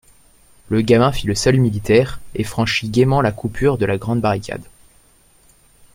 Le gamin fit le salut militaire et franchit gaîment la coupure de la grande barricade.